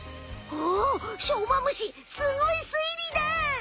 おっしょうま虫スゴいすいりだ！